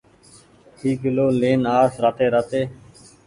ۮي ڪلو لين آس راتي راتي